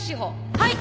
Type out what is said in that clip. はい！